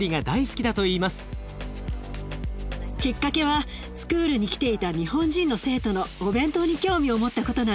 きっかけはスクールに来ていた日本人の生徒のお弁当に興味を持ったことなの。